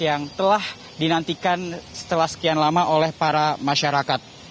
yang telah dinantikan setelah sekian lama oleh para masyarakat